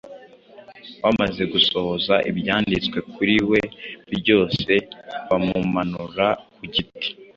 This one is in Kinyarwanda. Bamaze gusohoza ibyanditswe kuri we byose, bamumanura ku giti,